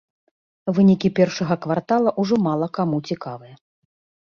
Вынікі першага квартала ўжо мала каму цікавыя.